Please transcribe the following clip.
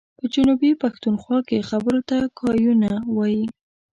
په جنوبي پښتونخوا کي خبرو ته ګايونه وايي.